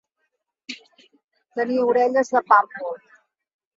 Tenir orelles de pàmpol.